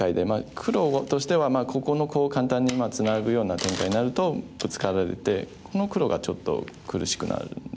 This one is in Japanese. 黒としてはここのコウを簡単にツナぐような展開になるとブツカられてこの黒がちょっと苦しくなるんですよね。